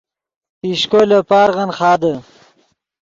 پیشکو لے پارغن خادے